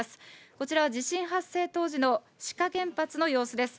こちらは地震発生当時の志賀原発の様子です。